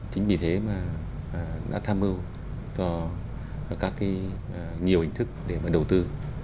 chính vì thế mà đã tham mưu cho các nhiều hình thức để đầu tư